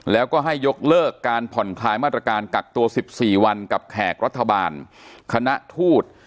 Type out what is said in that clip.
แล้วก็ให้ยกเลิกการผ่อนคลายมาตรการกักตัว๑๔วันกับแขกรัฐบาลคณะทูต